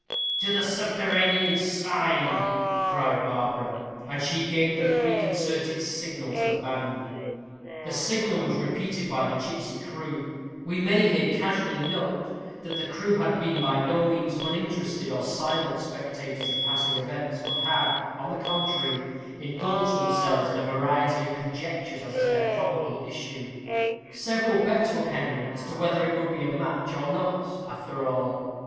"To the subterranean shrine," cried Barbara. And she gave the preconcerted signal to the band. The signal was repeated by the gipsy crew. We may here casually note, that the crew had been by no means uninterested or silent spectators of passing events, but had, on the contrary, indulged themselves in a variety of conjectures as to their probable issue. Several bets were pending as to whether it would be a match or not after all.